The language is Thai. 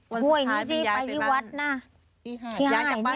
วันสุดท้ายมียายไปบ้าน